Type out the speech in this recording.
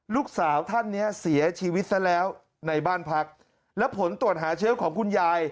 ลูกสาวท่านเนี้ยเสียชีวิตซะแล้วในบ้านพักและผลตรวจหาเชื้อของคุณยาย